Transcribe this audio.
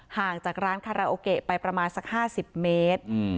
ห่างจากร้านคาราโอเกะไปประมาณสัก๕๐เมตร